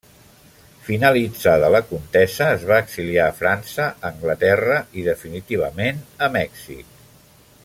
Finalitzada la contesa es va exiliar França, Anglaterra i definitivament a Mèxic.